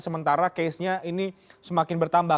sementara casenya ini semakin bertambah